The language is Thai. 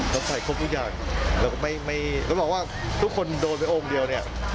ใส่ครบทุกอย่างแล้วก็ไม่ไม่ต้องบอกว่าทุกคนโดนไปองค์เดียวเนี่ย